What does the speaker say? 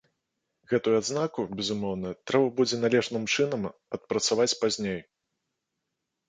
Гэтую адзнаку, безумоўна, трэба будзе належным чынам адпрацаваць пазней.